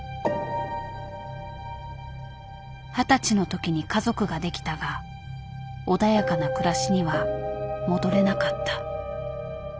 二十歳の時に家族ができたが穏やかな暮らしには戻れなかった。